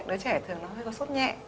đứa trẻ thường nó hơi có sốt nhẹ